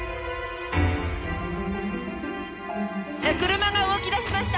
車が動きだしました！